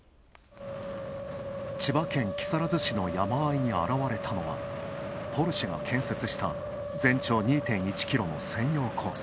千葉県、木更津市の山間に現れたのはポルシェが建設した全長２．１キロの専用コース。